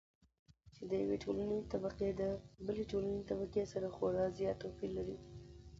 چې د يوې ټولنې طبقې د بلې ټولنې طبقې سره خورا زيات توپېر لري.